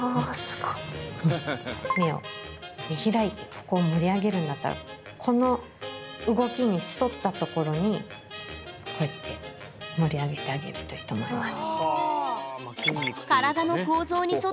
目を見開いてここを盛り上げるんだったらこの動きに沿った所にこうやって盛り上げてあげるといいと思います。